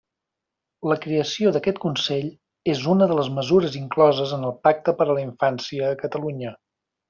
La creació d'aquest Consell és una de les mesures incloses en el Pacte per a la Infància a Catalunya.